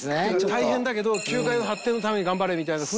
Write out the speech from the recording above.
「大変だけど球界の発展のために頑張れ」みたいな雰囲気。